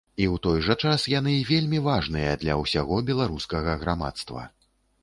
І ў той жа час яны вельмі важныя для ўсяго беларускага грамадства.